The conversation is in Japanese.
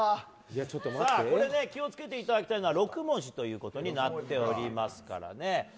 気を付けていただきたいのは６文字ということになっておりますからね。